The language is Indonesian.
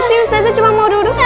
aku sih ustazah cuma mau duduk